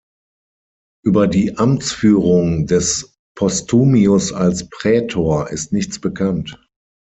Über die Amtsführung des Postumius als Prätor ist nichts bekannt.